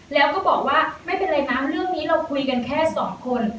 แล้วก็บอกว่าไม่เป็นไรนะเรื่องนี้เราคุยกันแค่สองคน